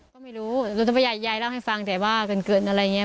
ก็ไม่รู้รู้จักว่ายายเล่าให้ฟังแต่ว่าเกินเกินอะไรอย่างเงี้ย